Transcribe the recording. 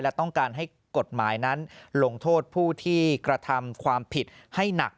และต้องการให้กฎหมายนั้นลงโทษผู้ที่กระทำความผิดให้หนัก